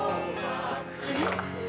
あれ？